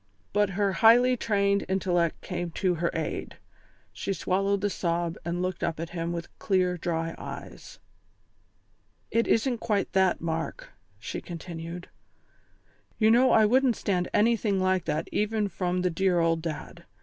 But her highly trained intellect came to her aid. She swallowed the sob, and looked up at him with clear, dry eyes. "It isn't quite that, Mark," she continued. "You know I wouldn't stand anything like that even from the dear old Dad.